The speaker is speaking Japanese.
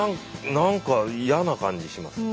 なんか嫌な感じします。